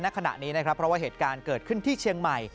ขณะนี้นะครับเพราะว่าเหตุการณ์เกิดขึ้นที่เชียงใหม่